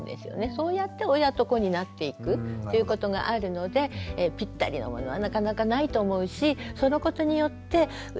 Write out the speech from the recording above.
そうやって親と子になっていくっていうことがあるのでピッタリのものはなかなかないと思うしそのことによってテレビとかね